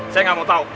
saya gak mau tau